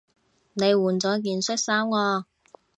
你換咗件恤衫喎